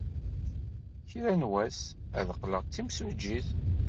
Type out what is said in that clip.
Kra n wass, ad qqleɣ d timsujjit.